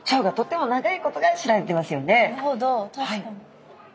はい。